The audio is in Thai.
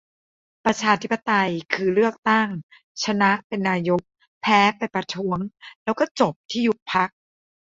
ประชาธิปไตย คือ เลือกตั้ง ชนะเป็นนายก แพ้ไปประท้วง แล้วก็จบที่ยุบพรรค